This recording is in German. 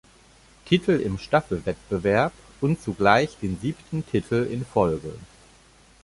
Titel im Staffelwettbewerb und zugleich den siebten Titel in Folge.